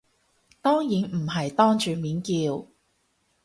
當然唔係當住面叫